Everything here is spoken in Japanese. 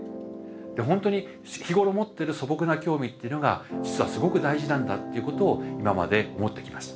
ほんとに日頃思ってる素朴な興味っていうのが実はすごく大事なんだっていうことを今まで思ってきました。